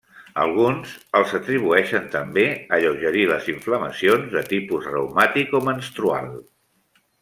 Alguns els atribueixen també alleugerir les inflamacions de tipus reumàtic o menstrual.